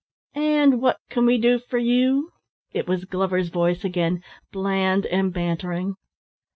"And what can we do for you?" It was Glover's voice again, bland and bantering.